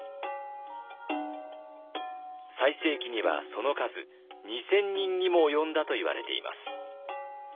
最盛期にはその数２，０００人にも及んだといわれています。